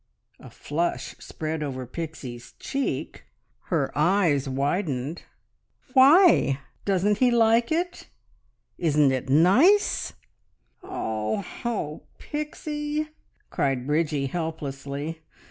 A flush spread over Pixie's cheek; her eyes widened. "Why? Doesn't he like it? Isn't it nice?" "Oh oh, Pixie!" cried Bridgie helplessly.